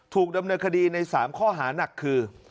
ถูกดำเนินคดีใน๓ข้อหานักคือ